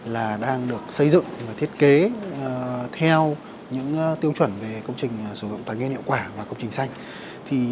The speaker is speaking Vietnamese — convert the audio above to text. là đang được xây dựng và thiết kế theo những tiêu chuẩn về công trình sử dụng tài nguyên hiệu quả và công trình xanh